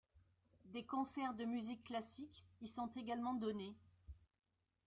Des concerts de musique classique y sont également donnés.